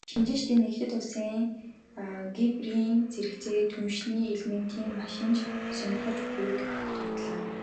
Шинжээчдийн нэг "Хятад улс гибридийн зэрэгцээ түлшний элементийн машин ч сонирхож буй"-г дурдлаа.